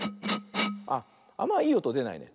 あっあんまいいおとでないね。